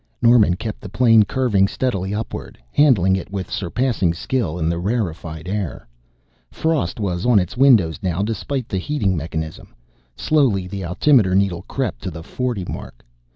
Norman kept the plane curving steadily upward, handling it with surpassing skill in the rarefied air. Frost was on its windows now despite the heating mechanism. Slowly the altimeter needle crept to the forty mark.